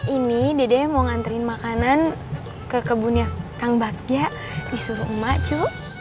ini dede mau ngantriin makanan ke kebunnya kang bagja di suruh emak cu